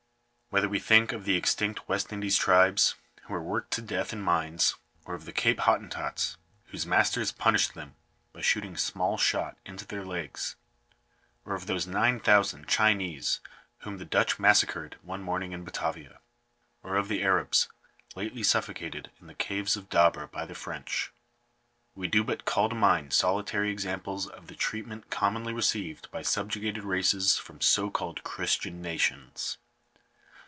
Whether we think of the extinct West Indian tribes, who were worked to death in mines ; or of the Cape Hottentots, whose masters punished them by shooting small shot into their legs ; or of those nine thousand Chinese whom the Dutch massacred one morning in Batavia ; or of the Arabs lately suffocated in the caves of Dabra by the French, we do but call to mind solitary samples of the treatment com monly received by subjugated races from so called Christian nations.